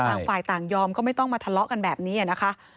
ต่างฝ่ายต่างยอมก็ไม่ต้องมาทะเลาะกันแบบนี้นะคะ